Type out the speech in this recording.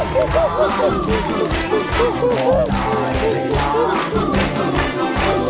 ร้องได้